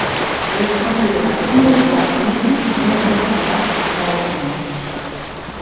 És considerat un dels llocs mítics més destacats d'Alpens.